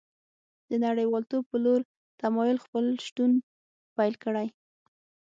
د نړیوالتوب په لور تمایل خپل شتون پیل کړی